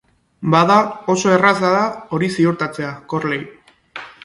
Bada, oso erraza da hori ziurtatzea, Corley.